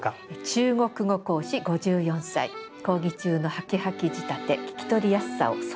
「中国語講師５４歳講義中のハキハキ仕立て聞き取りやすさを添えて」。